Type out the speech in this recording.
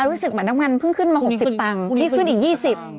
รู้สึกเหมือนน้ำมันเพิ่งขึ้นมา๖๐ตังค์คุณพี่ขึ้นอีก๒๐บาท